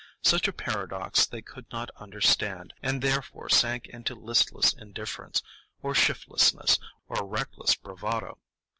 Such a paradox they could not understand, and therefore sank into listless indifference, or shiftlessness, or reckless bravado.